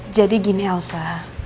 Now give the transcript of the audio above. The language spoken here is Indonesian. jadi gini elsa